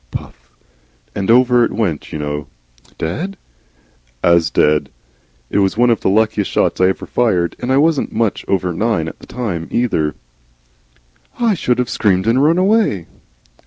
(Puff.) And over it went, you know." "Dead?" "AS dead. It was one of the luckiest shots I ever fired. And I wasn't much over nine at the time, neither." "I should have screamed and run away."